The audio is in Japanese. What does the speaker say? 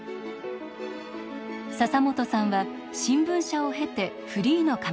笹本さんは新聞社を経てフリーのカメラマンへ。